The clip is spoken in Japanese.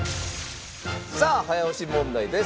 さあ早押し問題です。